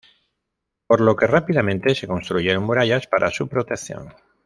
Por lo que rápidamente se construyeron murallas para su protección.